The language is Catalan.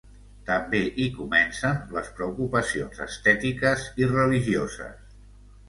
També hi comencen les preocupacions estètiques i religioses.